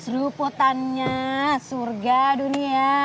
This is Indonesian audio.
seruputannya surga dunia